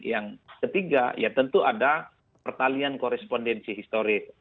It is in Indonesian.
yang ketiga ya tentu ada pertalian korespondensi historis